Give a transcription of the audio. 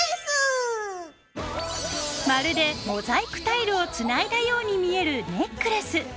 まるでモザイクタイルをつないだように見えるネックレス。